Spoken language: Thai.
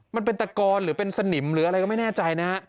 มันเป็นตะกอนหรือเป็นสนิมหรืออะไรก็ไม่แน่ใจนะฮะ